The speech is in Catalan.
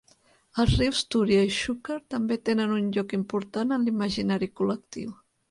Els rius Túria i Xúquer també tenen un lloc important en l'imaginari col·lectiu.